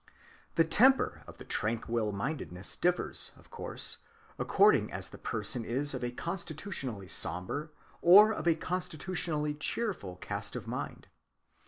The temper of the tranquil‐mindedness differs, of course, according as the person is of a constitutionally sombre or of a constitutionally cheerful cast of mind.